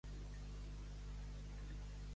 El paixà tenia una pipa prima.